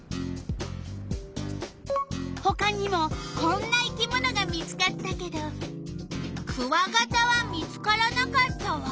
ほかにもこんな生き物が見つかったけどクワガタは見つからなかったわ。